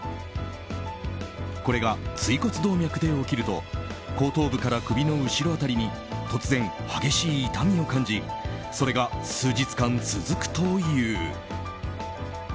これが椎骨動脈で起きると後頭部から首の後ろ辺りに突然、激しい痛みを感じそれが数日間続くという。